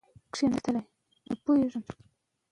هغه د ایران پاچا ته ماتې ورکړه.